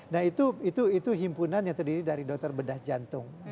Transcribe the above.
nah itu himpunan yang terdiri dari dokter bedah jantung